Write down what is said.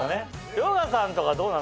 遼河さんとかどうなの？